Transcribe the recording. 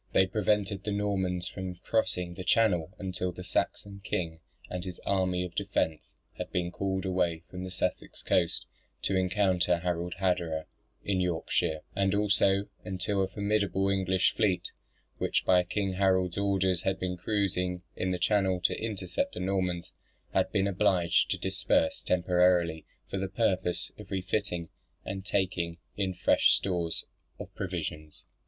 They prevented the Normans from crossing the Channel until the Saxon king and his army of defence had been called away from the Sussex coast to encounter Harald Hardrada in Yorkshire: and also until a formidable English fleet, which by King Harold's orders had been cruising in the Channel to intercept the Normans, had been obliged to disperse temporarily for the purpose of refitting and taking in fresh stores of provisions.